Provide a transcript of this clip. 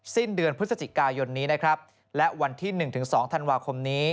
สิ้นเดือนพฤศจิกายนนี้นะครับและวันที่๑๒ธันวาคมนี้